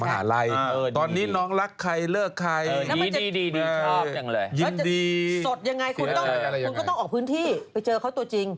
ทำไมจะสดยังไงคุณก็ต้องออกพื้นที่ไปจองเขาตัวจริง